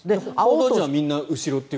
報道陣はみんな後ろという。